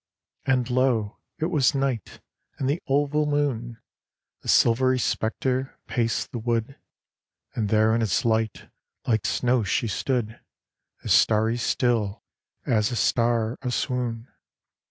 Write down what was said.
And lo! it was night. And the oval moon, A silvery spectre, paced the wood: And there in its light, like snow, she stood, As starry still as a star a swoon.